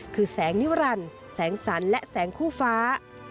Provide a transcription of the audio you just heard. คือแสงนิรันดิ์แสงสันและแสงคู่ฟ้า